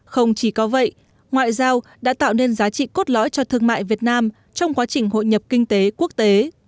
không chỉ có vậy ngoại giao đã tạo nên giá trị cốt lõi cho thương mại việt nam trong quá trình hội nhập kinh tế quốc tế